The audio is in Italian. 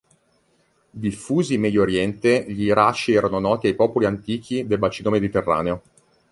Diffusi in Medio Oriente, gli iraci erano noti ai popoli antichi del bacino mediterraneo.